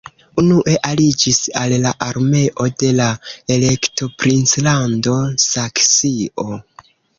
Unue aliĝis al la armeo de la Elektoprinclando Saksio.